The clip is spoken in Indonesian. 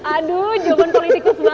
aduh jawaban politikus banget deh ini